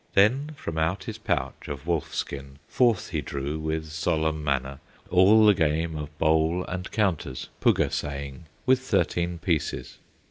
Then from out his pouch of wolf skin Forth he drew, with solemn manner, All the game of Bowl and Counters, Pugasaing, with thirteen pieces.